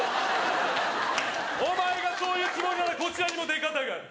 「お前がそういうつもりならこちらにも出方がある」